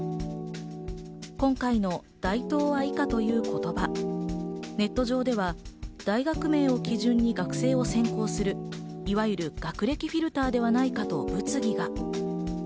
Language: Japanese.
今回の「大東亜以下」という言葉、ネット上では大学名を基準に学生を選考するいわゆる学歴フィルターではないかと物議が。